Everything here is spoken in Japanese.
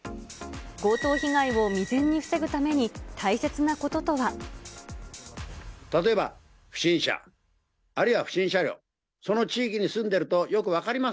強盗被害を未然に防ぐために例えば不審者、あるいは不審車両、その地域に住んでるとよく分かります。